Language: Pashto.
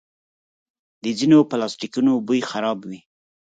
د ځینو پلاسټیکونو بوی خراب وي.